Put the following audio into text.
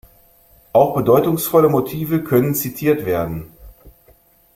Auch bedeutungsvolle Motive können zitiert werden.